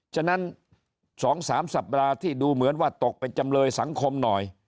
ฉะนั้น๒๓สัปดาห์ที่ดูเหมือนว่าตกเป็นจำเลยสังคมหน่อย